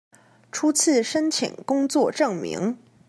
初次申請工作證明